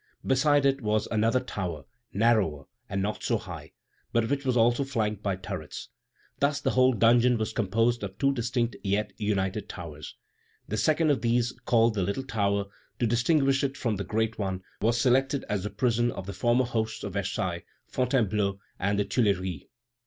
Beside it was another tower, narrower and not so high, but which was also flanked by turrets. Thus the whole dungeon was composed of two distinct yet united towers. The second of these, called the little tower, to distinguish it from the great one, was selected as the prison of the former hosts of Versailles, Fontainebleau, and the Tuileries.